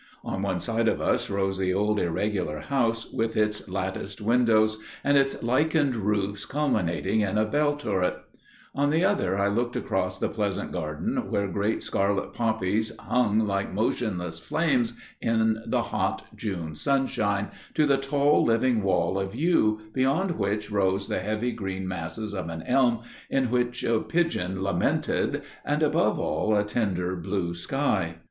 On one side of us rose the old irregular house, with its latticed windows, and its lichened roofs culminating in a bellturret; on the other I looked across the pleasant garden where great scarlet poppies hung like motionless flames in the hot June sunshine, to the tall living wall of yew, beyond which rose the heavy green masses of an elm in which a pigeon lamented, and above all a tender blue sky.